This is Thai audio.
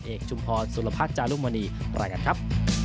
เอกชุมพอร์สุรพัฒน์จารุมณีไปกันครับ